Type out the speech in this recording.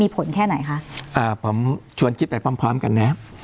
ผมชวนคิดไปพร้อมกันนะ